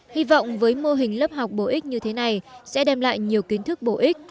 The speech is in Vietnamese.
hy vọng với mô hình lớp học bổ ích như thế này sẽ đem lại nhiều kiến thức bổ ích